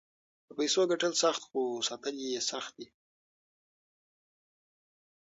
د پیسو ګټل سخت خو ساتل یې سخت دي.